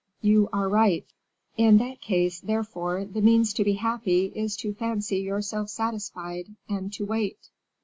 "You are right." "In that case, therefore, the means to be happy, is to fancy yourself satisfied, and to wait."